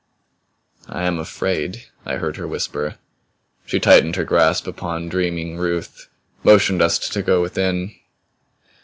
"I am afraid!" I heard her whisper. She tightened her grasp upon dreaming Ruth; motioned us to go within.